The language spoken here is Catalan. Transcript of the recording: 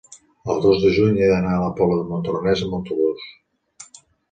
el dos de juny he d'anar a la Pobla de Montornès amb autobús.